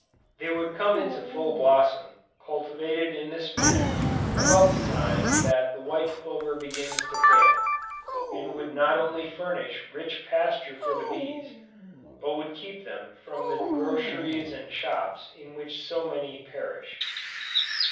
They would come into full blossom, cultivated in this manner, about the time that the white clover begins to fail, and would not only furnish rich pasture for the bees, but would keep them from the groceries and shops in which so many perish.